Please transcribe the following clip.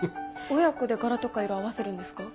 親子で柄とか色合わせるんですか？